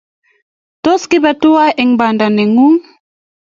Tos kibe twai eng` panda ni ng`ung